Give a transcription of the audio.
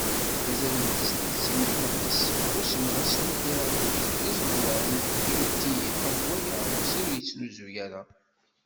Azal n tezlit simmal ineqqes s usemres n upirati deg yiẓeḍwan inmettiyen, ɣef waya, aḍebsi ur yettnuzu ara.